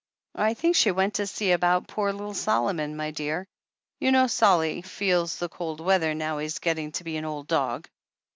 "I think she went to see about poor little Solomon, my dear. You know, Solly feels the cold weather now he's getting to be an old dog.